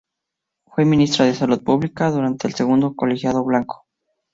Fue Ministro de Salud Pública durante el segundo colegiado blanco.